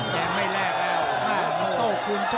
แดงไม่แรกแล้ว